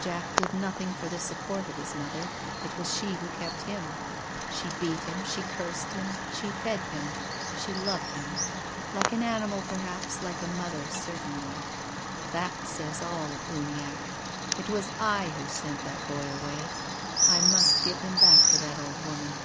Jack did nothing for the support of his mother. It was she who kept him. She beat him. She cursed him. She fed him. She loved him ; like an animal, perhaps, like a mother, cer tainly. That says all, Uniackc. It was I who sent that boy away. I must give him back to that old woman.